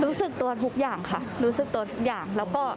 รู้สึกตัวทุกอย่างค่ะรู้สึกตัวทุกอย่างแล้วก็